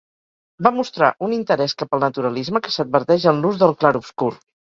Va mostrar un interès cap al naturalisme que s'adverteix en l'ús del clarobscur.